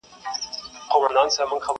جهاني قاصد را وړي په سرو سترګو څو کیسې دي؛